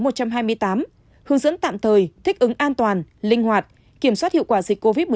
hướng dẫn tạm thời thích ứng an toàn linh hoạt kiểm soát hiệu quả dịch covid một mươi